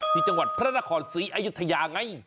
ที่จังหวัดพระนครศรีอยุธยาไง